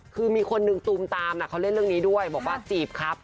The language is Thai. คือมีคนหนึ่งตูมตามเขาเล่นเรื่องนี้ด้วยบอกว่าจีบครับ